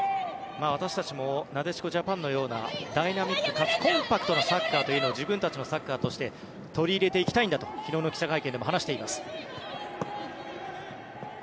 私たちもなでしこジャパンのようなダイナミックかつコンパクトなサッカーというのを自分たちのサッカーとして取り入れていきたいんだと昨日の記者会見でも話しています。